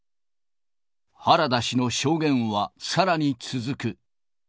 原田氏の証言はさらに続く。